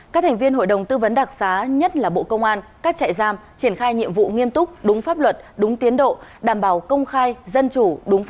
các thành viên hội đồng tư vấn đặc xá nhất là bộ công an các trại giam triển khai nhiệm vụ nghiêm túc đúng pháp luật đúng tiến độ đảm bảo công khai dân chủ